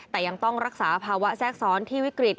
แต่ยังต้องรักษาภาวะแทรกซ้อนที่วิกฤต